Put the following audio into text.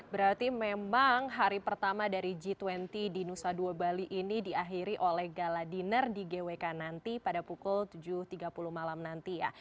berarti memang hari pertama dari g dua puluh di nusa dua bali ini diakhiri oleh gala dinner di gwk nanti pada pukul tujuh tiga puluh malam nanti ya